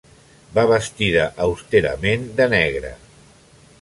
Va vestida austerament, de negre.